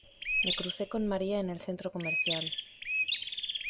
Me crucé con María en el centro comercial